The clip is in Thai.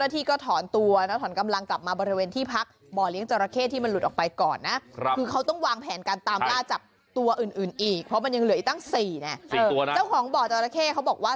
ติดตัวมุดรูคลานหมูจามกันออกมา